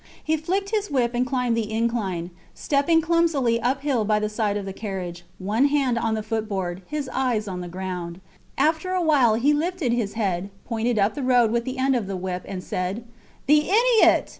He flicked his whip and climbed the incline, stepping clumsily uphill by the side of the carriage, one hand on the footboard, his eyes on the ground. After a while he lifted his head, pointed up the road with the end of the whip, and said The idiot!